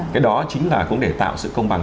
cái đó chính là cũng để tạo sự công bằng